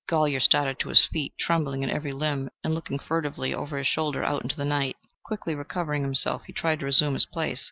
Golyer started to his feet, trembling in every limb, and looking furtively over his shoulder out into the night. Quickly recovering himself, he turned to resume his place.